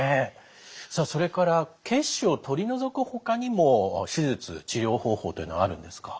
さあそれから血腫を取り除くほかにも手術治療方法というのはあるんですか？